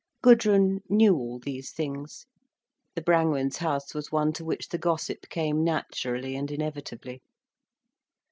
Gudrun knew all these things. The Brangwen's house was one to which the gossip came naturally and inevitably.